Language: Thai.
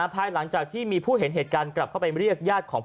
ภายหลังจากที่มีผู้เห็นเหตุการณ์กลับเข้าไปเรียกญาติของ